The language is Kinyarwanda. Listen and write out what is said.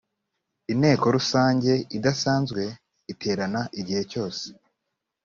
inteko rusange idasanzwe iterana igihe cyose